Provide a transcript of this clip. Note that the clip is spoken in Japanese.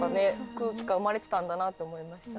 空気が生まれてたんだなって思いました。